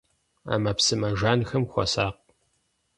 Ӏэмэпсымэ жанхэм хуэсакъ.